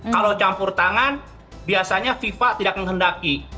kalau campur tangan biasanya fifa tidak menghendaki